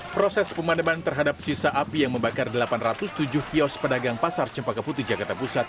proses pemadaban terhadap sisa api yang membakar delapan ratus tujuh kios pedagang pasar cempaka putih jakarta pusat